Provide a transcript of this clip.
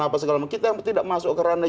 apa segala macam kita tidak masuk ke ranah